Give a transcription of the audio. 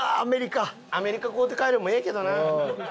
アメリカ買うて帰るんもええけどな。